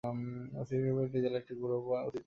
ঐতিহাসিকভাবে, জেলার একটি গৌরবময় অতীত ছিল।